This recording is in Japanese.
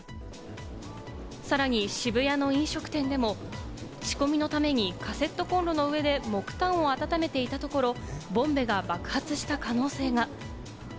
さらに渋谷の飲食店でも、仕込みのためにカセットコンロの上で木炭を温めていたところ、ボンベが爆発した可能性が。